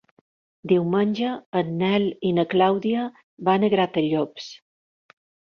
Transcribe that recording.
Diumenge en Nel i na Clàudia van a Gratallops.